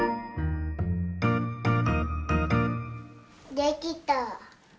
できた。